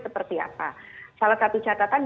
seperti apa salah satu catatan